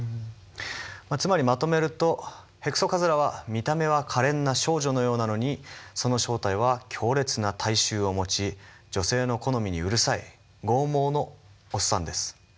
つまりまとめるとヘクソカズラは見た目はかれんな少女のようなのにその正体は強烈な体臭を持ち女性の好みにうるさい剛毛のおっさんです。